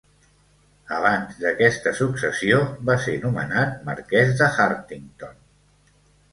Abans d'aquesta successió, va ser nomenat marquès de Hartington.